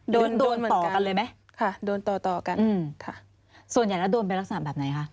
โดนโดนต่อกันเลยไหมค่ะโดนต่อต่อกันอืมค่ะส่วนใหญ่แล้วโดนไปลักษณะแบบไหนคะ